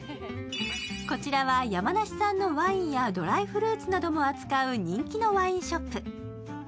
こちらは山梨産のワインやドライフルーツなども扱う人気のワインショップ。